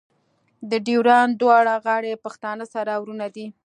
د ډیورنډ دواړه غاړې پښتانه سره ورونه دي.